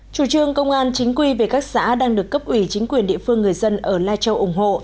chủ trương công an chính quy về các xã đang được cấp ủy chính quyền địa phương người dân ở lai châu ủng hộ